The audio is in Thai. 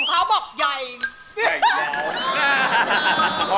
สวัสดีค่ะ